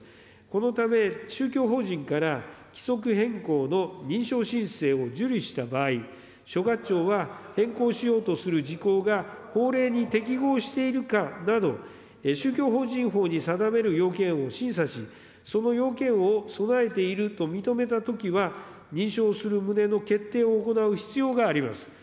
このため、宗教法人から規則変更の認証申請を受理した場合、所轄庁は変更しようとする事項が法令に適合しているかなど、宗教法人法に定める要件を審査し、その要件を備えていると認めたときは、認証をする旨の決定を行う必要があります。